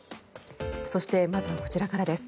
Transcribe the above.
そして、まずはこちらからです。